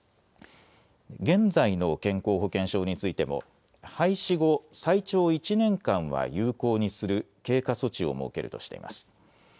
現在の健康保険証についても廃止後、最長１年間は有効にする経過措置を設けるとしています。